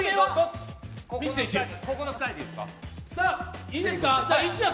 ここの２人でいいですか？